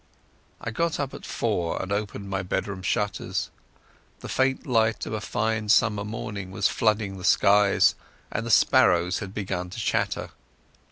I got up at four and opened my bedroom shutters. The faint light of a fine summer morning was flooding the skies, and the sparrows had begun to chatter.